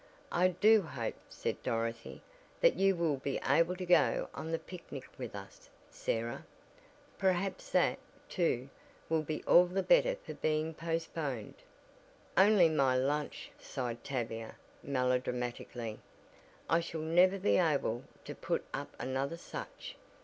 "I do hope," said Dorothy, "that you will be able to go on the picnic with us, Sarah. Perhaps that, too, will be all the better for being postponed." "Only my lunch," sighed Tavia, melodramatically. "I shall never be able to put up another such!"